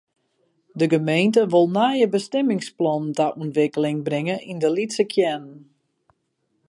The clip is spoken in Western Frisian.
De gemeente wol nije bestimmingsplannen ta ûntwikkeling bringe yn de lytse kearnen.